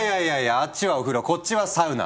あっちはお風呂こっちはサウナ。